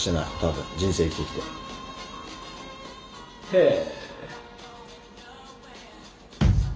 へえ。